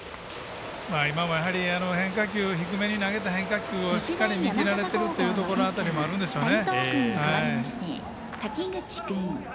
やはり低めに投げた変化球をしっかり見切られてるというところ辺りもあるんでしょうね。